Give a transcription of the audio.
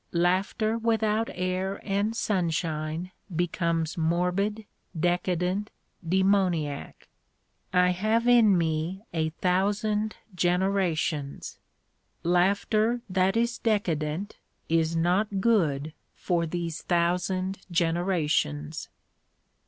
Laughter without air and sunshine becomes morbid, decadent, demoniac. I have in me a thousand generations. Laughter that is decadent is not good for these thousand generations.